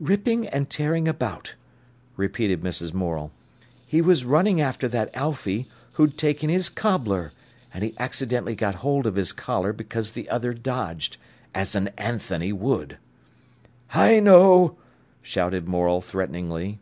"'Ripping and tearing about!'" repeated Mrs. Morel. "He was running after that Alfy, who'd taken his cobbler, and he accidentally got hold of his collar, because the other dodged—as an Anthony would." "I know!" shouted Morel threateningly.